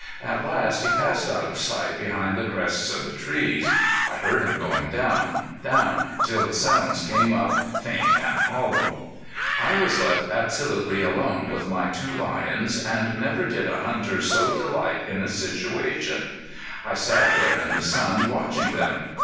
At last he passed out of sight behind the crests of the trees; I heard him going down, down till the sounds came up faint and hollow. I was left absolutely alone with my two lions and never did a hunter so delight in a situation. I sat there in the sun watching them.